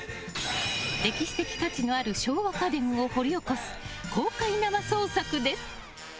歴史的価値のある昭和家電を掘り起こす公開生捜索です。